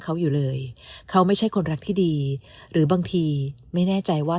เขาอยู่เลยเขาไม่ใช่คนรักที่ดีหรือบางทีไม่แน่ใจว่า